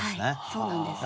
そうなんです。